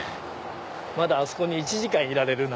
まだあそこに１時間いられるな。